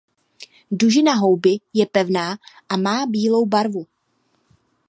Dužina houby je pevná a má bílou barvu.